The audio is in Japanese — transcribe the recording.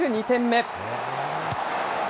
２点目。